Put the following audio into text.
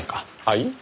はい？